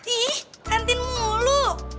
ihh kantin mulu